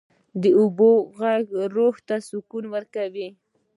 د اوبو ږغ روح ته ساه ورکوي.